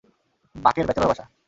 বাকের bachelor বাসা।